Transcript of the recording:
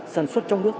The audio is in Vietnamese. sản xuất trong nước